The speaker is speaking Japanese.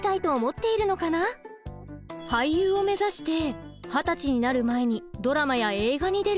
俳優を目指して二十歳になる前にドラマや映画に出る。